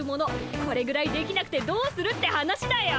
これぐらいできなくてどうするって話だよ。